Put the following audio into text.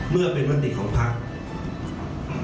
เมื่อเป็นมันติของพักษมณ์